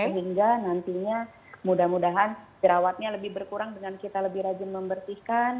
sehingga nantinya mudah mudahan jerawatnya lebih berkurang dengan kita lebih rajin membersihkan